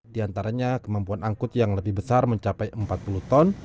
di antaranya kemampuan angkut yang lebih besar mencapai empat puluh ton